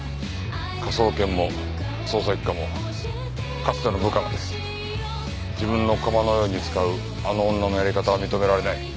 科捜研も捜査一課もかつての部下まで自分の駒のように使うあの女のやり方は認められない。